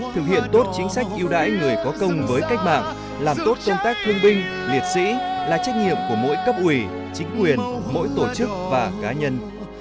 thực hiện tốt chính sách yêu đãi người có công với cách mạng làm tốt công tác thương binh liệt sĩ là trách nhiệm của mỗi cấp ủy chính quyền mỗi tổ chức và cá nhân